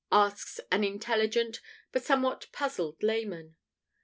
asks an intelligent but somewhat puzzled layman.